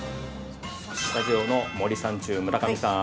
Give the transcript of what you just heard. スタジオの森三中、村上さん。